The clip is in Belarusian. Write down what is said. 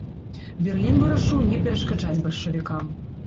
Берлін вырашыў не перашкаджаць бальшавікам.